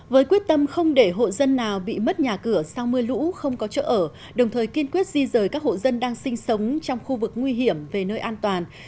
với quyết tâm không để hộ dân nào bị mất nhà cửa sau mưa lũ không có chỗ ở đồng thời kiên quyết di rời các hộ dân đang sinh sống trong khu vực nguy hiểm về nơi an toàn